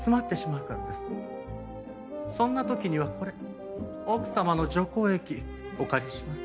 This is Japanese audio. そんな時にはこれ奥様の除光液お借りします。